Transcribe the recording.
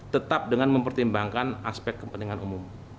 tetap dengan mempertimbangkan aspek kepentingan umum